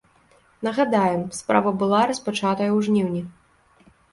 Нагадаем, справа была распачатая ў жніўні.